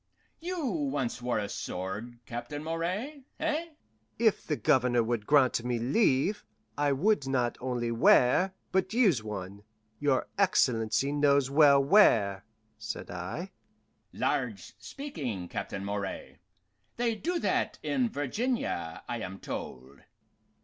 You once wore a sword, Captain Moray eh?" "If the Governor would grant me leave, I would not only wear, but use one, your excellency knows well where," said I. "Large speaking, Captain Moray. They do that in Virginia, I am told."